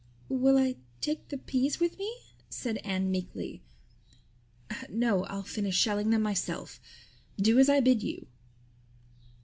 "Will I take the peas with me?" said Anne meekly. "No, I'll finish shelling them myself. Do as I bid you."